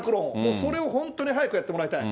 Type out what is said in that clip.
それを本当に早くやってもらいたい。